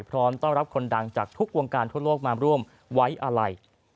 พร้อมต้อนรับคนดังจากทุกวงการทั่วโลกมาร่วมไว้อาลัย